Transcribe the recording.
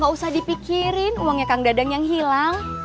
gak usah dipikirin uangnya kang dadang yang hilang